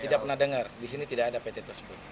tidak pernah dengar di sini tidak ada pt tersebut